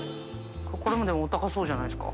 海譴でもお高そうじゃないですか。